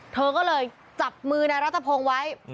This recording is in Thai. เธอก็เลยจับมือนายรัฐพงศ์ไว้